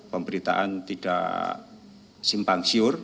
pemberitaan tidak simpang syur